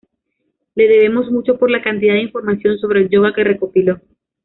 Le debemos mucho por la cantidad de información sobre el Yoga que recopiló.